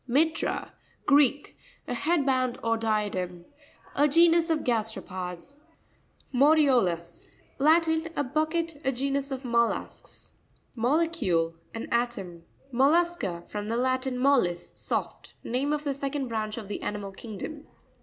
Mi'rra.—Greek. A head band, or diadem. A genus of gasteropods. Monio'Lus.— Latin. A bucket. A genus of mussels. Mo'LEecuLe.—An atom. Mot.v'sca.—From the Latin, mollis, soft. Name of the second branch of the animal kingdom.